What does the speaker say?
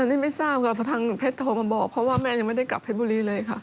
อันนี้ไม่ทราบนะครับเพราะทางเจ้าผมถูกมาบอก